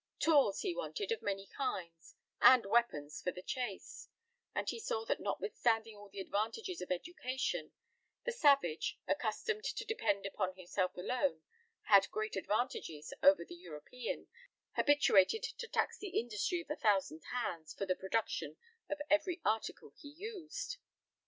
Tools he wanted of many kinds, and weapons for the chase; and he saw that notwithstanding all the advantages of education, the savage, accustomed to depend upon himself alone, had great advantages over the European, habituated to tax the industry of a thousand hands for the production of every article he used.